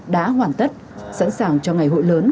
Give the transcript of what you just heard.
đã hoàn tất sẵn sàng cho ngày hội lớn